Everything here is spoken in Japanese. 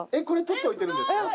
これ取っておいてるんですか？